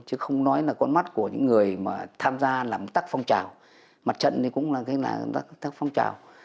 chứ không nói là con mắt của những người mà tham gia làm tắc phong trào mặt trận thì cũng là các phong trào